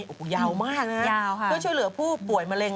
โอ้โหยาวมากนะยาวค่ะเพื่อช่วยเหลือผู้ป่วยมะเร็